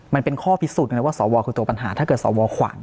มันเป็นข้อพิสูจน์ไงว่าสวคือตัวปัญหาถ้าเกิดสวขวาง